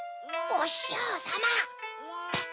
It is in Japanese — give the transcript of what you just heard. おししょうさま！